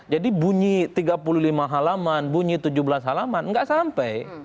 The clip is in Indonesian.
jadi bunyi tiga puluh lima halaman bunyi tujuh belas halaman nggak sampai